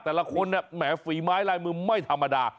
แต่ละคนแหมฝีไม้ลายมือไม่ธรรมดา